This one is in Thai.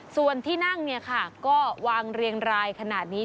ส่วนที่นั่งเนี่ยค่ะก็วางเรียงรายขนาดนี้